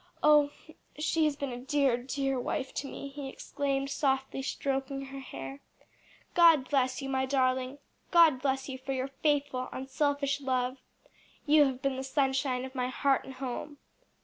Oh she has been a dear, dear wife to me!" he exclaimed, softly stroking her hair. "God bless you, my darling! God bless you for your faithful, unselfish love! You have been the sunshine of my heart and home."